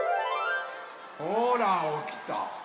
ほらおきた。